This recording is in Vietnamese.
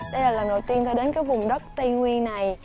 đây là lần đầu tiên tôi đến cái vùng đất tây nguyên này